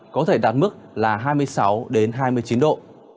có thể đạt mức là hai mươi sáu hai mươi chín độ